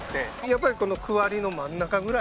やっぱりこの区割りの真ん中ぐらい。